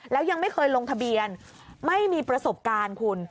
แล้วยังไม่เคยลงทะเบียนไม่มีประสบการณ์คุณ